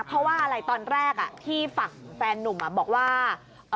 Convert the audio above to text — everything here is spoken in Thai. เพราะว่าอะไรตอนแรกที่ฝั่งแฟนนุ่มบอกว่า